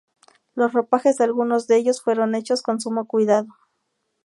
Los ropajes de algunos de ellos fueron hechos con sumo cuidado.